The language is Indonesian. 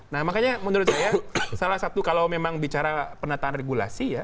nah makanya menurut saya salah satu kalau memang bicara penataan regulasi ya